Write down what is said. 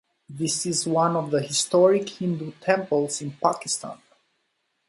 This is one of the historic Hindu temples in Pakistan.